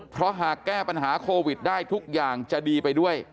เพราะหากแก้ปัญหาโควิดได้ทุกอย่างจะดีไปด้วย